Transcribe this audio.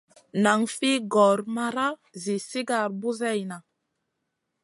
Nan fi gor mara zi sigar buseyna.